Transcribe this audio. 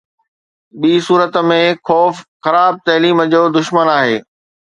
ٻي صورت ۾، خوف خراب تعليم جو دشمن آهي